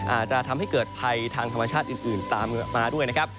อาจจะทำให้เกิดภัยทางธรรมชาติอื่นตามมาด้วยนะครับ